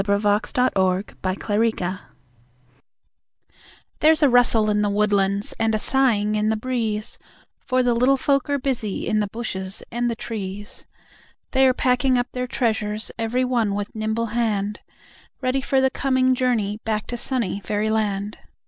The Flight of the Fairies There's a rustle in the woodlands, and a sighing in the breeze, For the Little Folk are busy in the bushes and the trees; They are packing up their treasures, every one with nimble hand, Ready for the coming journey back to sunny Fairyland.